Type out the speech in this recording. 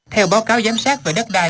theo báo cáo giám sát về đất đài